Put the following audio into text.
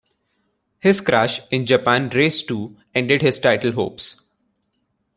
His crash in Japan race two ended his title hopes.